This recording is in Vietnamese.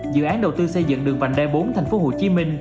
dự án đầu tư xây dựng đường vành đai bốn tp hcm